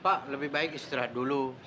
pak lebih baik istirahat dulu